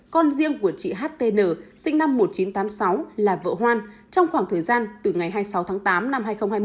con riêng của chị htn sinh năm một nghìn chín trăm tám mươi sáu là vợ hoan trong khoảng thời gian từ ngày hai mươi sáu tháng tám năm hai nghìn hai mươi